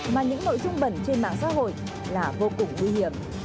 mà những nội dung bẩn trên mạng xã hội là vô cùng nguy hiểm